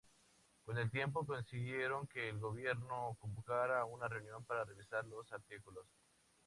Con el tiempo consiguieron que el gobierno convocara una reunión para revisar los artículos.